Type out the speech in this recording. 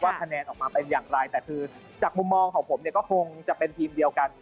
คะแนนออกมาเป็นอย่างไรแต่คือจากมุมมองของผมเนี่ยก็คงจะเป็นทีมเดียวกัน